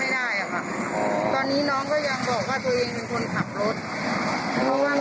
ตอนแรกน้องก็จำไม่ได้บอกชื่อหมอก็ไม่ได้ค่ะ